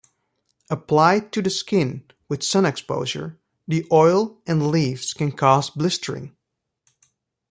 Applied to the skin with sun exposure, the oil and leaves can cause blistering.